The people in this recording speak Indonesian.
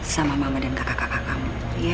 sama mama dan kakak kakak kamu